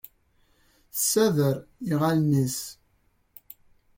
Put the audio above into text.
Tessader iɣallen-nnes.